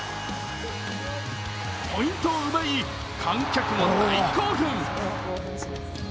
ポイントを奪い、観客も大興奮。